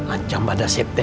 ancam pada dasyep t